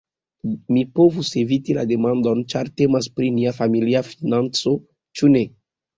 Mi povus eviti la demandon, ĉar temas pri nia familia financo, ĉu ne?